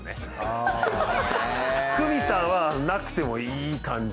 クミさんはなくてもいい感じ。